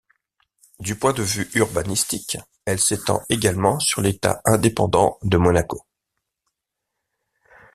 Du point de vue urbanistique, elle s'étend également sur l'État indépendant de Monaco.